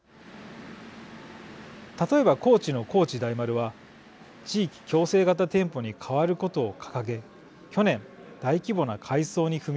例えば高知の高知大丸は地域共生型店舗に変わることを掲げ去年大規模な改装に踏み切りました。